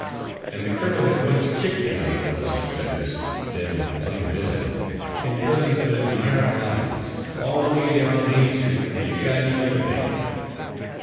And the colonel had once kicked the Honourable Mr. Fetters, then plain Bill, in presence of an admiring audience, all the way down Main Street from the academy to the bank!